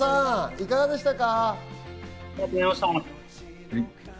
いかがでしたか？